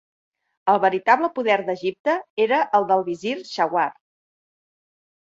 El veritable poder d'Egipte era el del visir, Shawar.